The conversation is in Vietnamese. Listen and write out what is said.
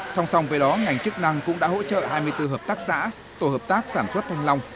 song song với đó ngành chức năng cũng đã hỗ trợ hai mươi bốn hợp tác xã tổ hợp tác sản xuất thanh long